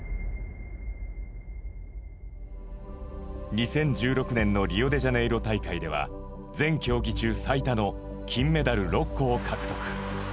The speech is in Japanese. ２０１６年のリオデジャネイロ大会では全競技中最多の金メダル６個を獲得。